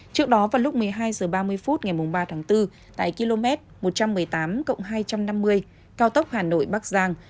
trước đó vào lúc một mươi hai h ba mươi phút ngày ba tháng bốn tại km một trăm một mươi tám hai trăm năm mươi cao tốc hà nội bắc giang